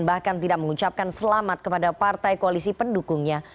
bahkan tidak mengucapkan selamat kepada partai koalisi pendukungnya